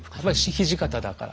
土方だから！